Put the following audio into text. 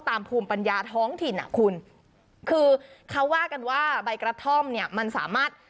ภูมิปัญญาท้องถิ่นอ่ะคุณคือเขาว่ากันว่าใบกระท่อมเนี่ยมันสามารถ